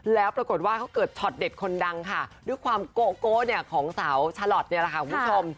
แล้วปรากฏว่าเขาเกิดช็อตเด็ดคนดังค่ะด้วยความโกโก้เนี่ยของสาวชะลอทเนี่ยแหละค่ะคุณผู้ชม